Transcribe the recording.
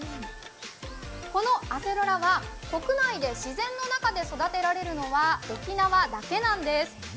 このアセロラは国内で自然の中で育てられるのは沖縄だけなんです。